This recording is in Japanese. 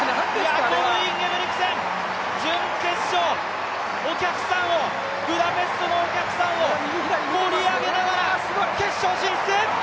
ヤコブ・インゲブリクセン、準決勝、ブダペストのお客さんを盛り上げながら、決勝進出！